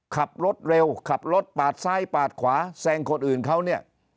ขับรถเร็วขับรถปาดซ้ายปาดขวาแซงคนอื่นเขาเนี่ย